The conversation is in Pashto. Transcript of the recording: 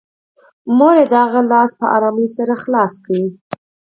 مور یې د هغه لاس په ارامۍ سره پرانيست